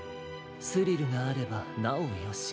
スリルがあればなおよし。